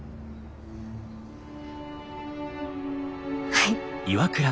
はい。